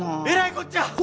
えらいこっちゃ！